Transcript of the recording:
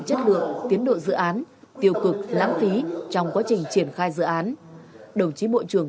chất lượng tiến độ dự án tiêu cực lãng phí trong quá trình triển khai dự án đồng chí bộ trưởng